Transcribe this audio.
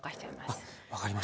あっ分かりました。